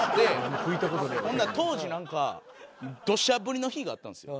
ほんなら当時なんか土砂降りの日があったんですよ。